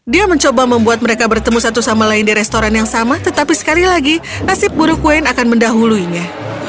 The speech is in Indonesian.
dia mencoba membuat mereka bertemu satu sama lain di restoran yang sama tetapi sekali lagi nasib buruk wayne akan mendahuluinya